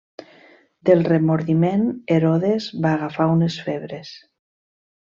Del remordiment Herodes va agafar unes febres.